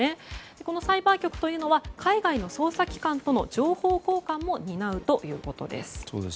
このサイバー局というのは海外の捜査機関との情報交換も担うということです。